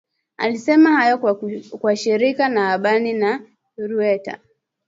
Alisema hayo kwa shirika la habari la Reuta